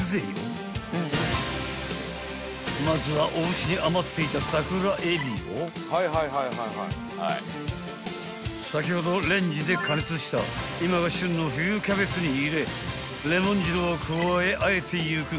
［まずはおうちに余っていた桜えびを先ほどレンジで加熱した今が旬の冬キャベツに入れレモン汁を加えあえていく］